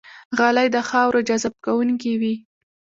غالۍ د خاورو جذب کوونکې وي.